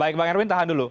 baik pak erwin tahan dulu